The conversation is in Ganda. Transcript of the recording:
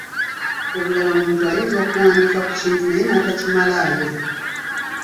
Olulala omuntu ayinza okuwandiika ku kintu naye n'atakimalaayo.